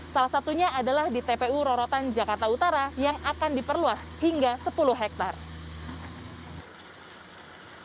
salah satunya adalah di tpu rorotan jakarta utara yang akan diperluas hingga sepuluh hektare